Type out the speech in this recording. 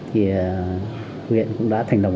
thì huyện cũng đã thành lòng